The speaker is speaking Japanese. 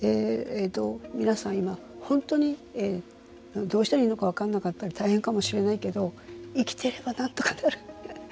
皆さん今、本当にどうしたらいいのか分からなかったり大変かもしれないけど生きてればなんとかなる。